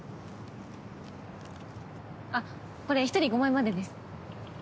あっこれ１人５枚までです。